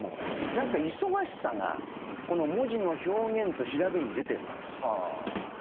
何か忙しさがこの文字の表現と調べに出てるなと思いました。